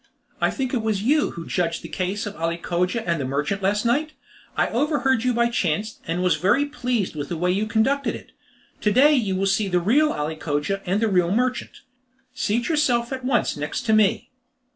"I think it was you who judged the case of Ali Cogia and the merchant last night? I overheard you by chance, and was very pleased with the way you conducted it. To day you will see the real Ali Cogia and the real merchant. Seat yourself at once next to me."